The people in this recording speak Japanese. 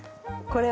これ？